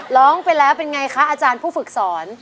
ร้องไปแล้วเป็นไงคะอาจารย์ผู้ฝึกสอน